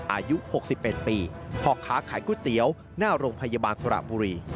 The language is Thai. อายุปรุง๖๐๑๑ปีขาขายก๋วยเตี๋ยวน่าโรงพยาบาลสระบุรี